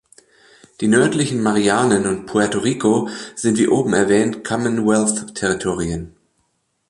Die Nördlichen Marianen und Puerto Rico sind wie oben erwähnt Commonwealth-Territorien.